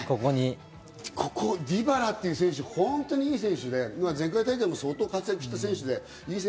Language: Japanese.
ディバラって選手、本当に良い選手で前回大会も相当活躍した選手です。